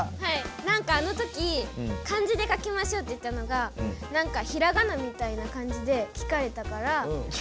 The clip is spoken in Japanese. なんかあのとき漢字で書きましょうって言ったのがなんかひらがなみたいな感じで聞かれたから。